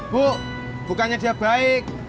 bu bukannya dia baik